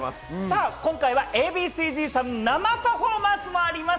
今回はＡ．Ｂ．Ｃ−Ｚさん、生パフォーマンスもあります。